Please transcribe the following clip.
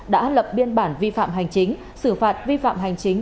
đã lập biên bản vi phạm hành chính xử phạt vi phạm hành chính